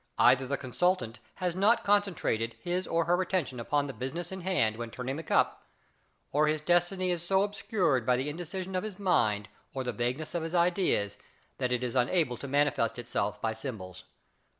Either the consultant has not concentrated his or her attention upon the business in hand when turning the cup, or his destiny is so obscured by the indecision of his mind or the vagueness of his ideas that it is unable to manifest itself by symbols.